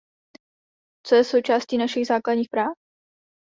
Co je součástí našich základních práv?